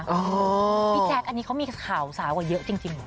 พี่แจกซ์อันนี้เขามีข่าวสาวเยอะจริง